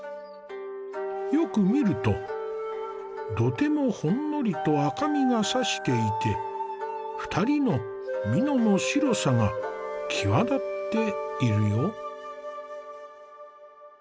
よく見ると土手もほんのりと赤みがさしていて２人の蓑の白さが際立っているよ。